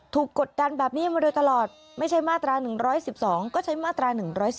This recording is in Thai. กดดันแบบนี้มาโดยตลอดไม่ใช่มาตรา๑๑๒ก็ใช้มาตรา๑๑๒